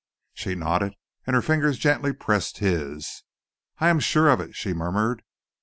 She nodded, and her fingers gently pressed his. "I am sure of it," she murmured.